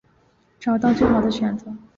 找到最好的选择